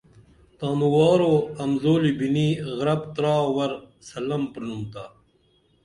تانوار اُو امزُولی بِنی غرپ ترا ور سلم پرِنومَتا